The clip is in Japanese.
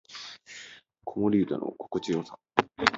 子守唄の心地よさ